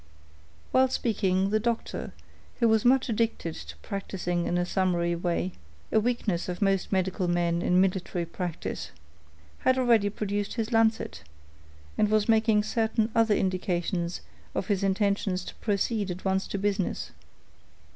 While speaking, the doctor, who was much addicted to practicing in a summary way,—a weakness of most medical men in military practice,—had already produced his lancet, and was making certain other indications of his intentions to proceed at once to business.